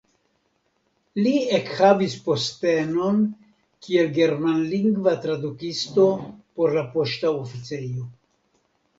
Li ekhavis postenon kiel germanlingva tradukisto por la poŝta oficejo.